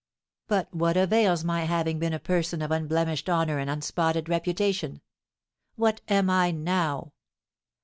"But what avails my having been a person of unblemished honour and unspotted reputation? What am I now?